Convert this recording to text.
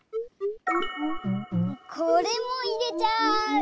これもいれちゃう。